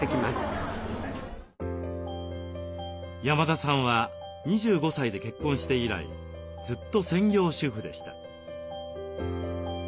山田さんは２５歳で結婚して以来ずっと専業主婦でした。